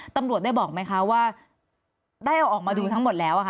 ตำรวจได้บอกไหมคะว่าได้เอาออกมาดูทั้งหมดแล้วอะค่ะ